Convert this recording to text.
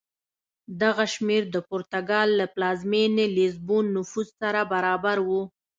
دغه شمېر د پرتګال له پلازمېنې لېزبون نفوس سره برابر و.